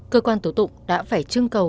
cơ quan tổ tụng đã phải trưng cầu